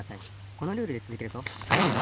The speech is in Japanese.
このルールでつづけるとあるていど